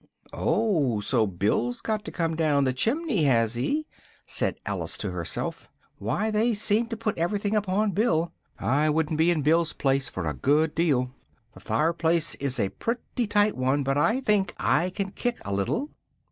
"Oh, so Bill's got to come down the chimney, has he?" said Alice to herself, "why, they seem to put everything upon Bill! I wouldn't be in Bill's place for a good deal: the fireplace is a pretty tight one, but I think I can kick a little!"